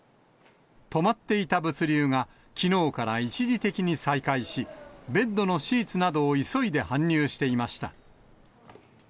止まっていた物流がきのうから一時的に再開し、ベッドのシーツなどを急いで搬入していました。